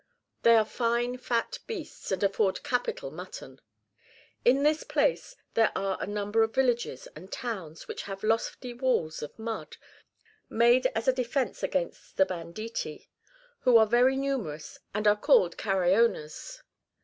They are fine fat beasts, and afford capital mutton.^ VOL. I. G 98 MARCO POLO Book I. In this plain there are a number of villages and towns which have lofty walls of mud, made as a defence against the banditti,^ who are very numerous, and are called Caraonas.